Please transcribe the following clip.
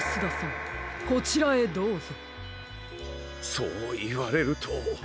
そういわれると。